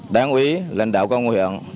đáng quý lãnh đạo công an huyện